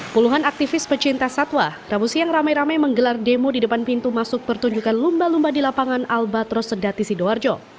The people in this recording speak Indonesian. puluhan aktivis pecinta satwa rabu siang ramai ramai menggelar demo di depan pintu masuk pertunjukan lumba lumba di lapangan albatros sedati sidoarjo